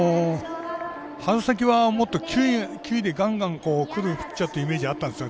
春先はもっと球威でがんがんくるピッチャーっていうイメージがあったんです。